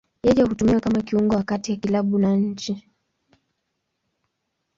Yeye hutumiwa kama kiungo wa kati ya klabu na nchi.